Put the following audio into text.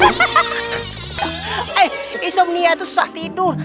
eh isomnia itu susah tidur